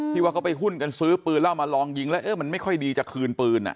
ว่าเขาไปหุ้นกันซื้อปืนแล้วมาลองยิงแล้วเออมันไม่ค่อยดีจะคืนปืน